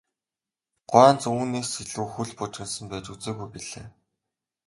Гуанз үүнээс илүү хөл бужигнасан байж үзээгүй билээ.